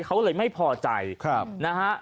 เขาเลยไม่พอใจนะฮะ